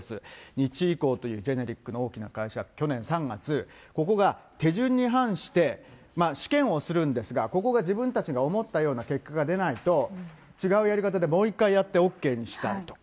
日医工というジェネリックの大きな会社、去年３月、ここが手順に反して、試験をするんですが、ここが自分たちが思ったような結果が出ないと、違うやり方でもう一回やってＯＫにしたりとか。